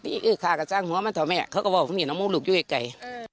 ตี้เอ๊ะข้าก็สร้างหัวมันเถอะแม่เขาก็บอกว่านี่น้องมูกลูกอยู่ไอ้ไก่